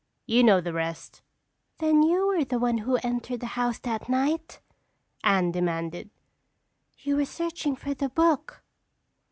You know the rest." "Then you were the one who entered the house that night?" Anne demanded. "You were searching for the book."